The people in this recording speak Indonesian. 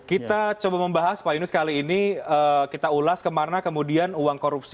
kita coba membahas pak yunus kali ini kita ulas kemana kemudian uang korupsi